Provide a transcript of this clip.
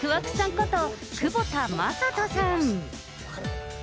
こと、久保田雅人さん。